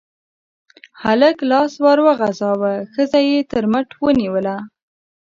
هلک لاس ور وغزاوه، ښځه يې تر مټ ونيوله.